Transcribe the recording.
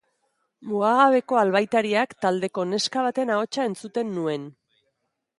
Mugagabeko Albaitariak taldeko neska baten ahotsa entzuten nuen.